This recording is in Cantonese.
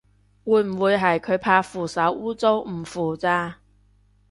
會唔會係佢怕扶手污糟唔扶咋